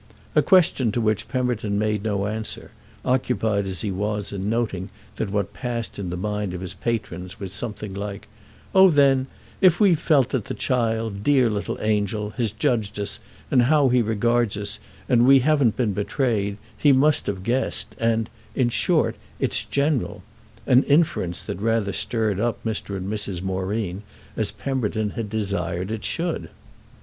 —a question to which Pemberton made no answer, occupied as he was in noting that what passed in the mind of his patrons was something like: "Oh then, if we've felt that the child, dear little angel, has judged us and how he regards us, and we haven't been betrayed, he must have guessed—and in short it's general!" an inference that rather stirred up Mr. and Mrs. Moreen, as Pemberton had desired it should.